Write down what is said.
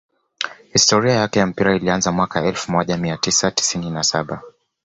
Histiria yake ya mpira ilianza mwaka elfu moja mia tisa tisini na saba